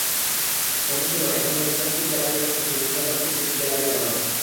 কথা ছিল, এখানে জাতিতাত্ত্বিক গ্যালারির পাশাপাশি মুদ্রাতাত্ত্বিক একটি গ্যালারি করা হবে।